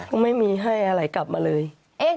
ไม่มีให้อะไรกลับมาเลย